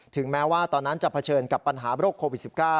แม้ว่าตอนนั้นจะเผชิญกับปัญหาโรคโควิด๑๙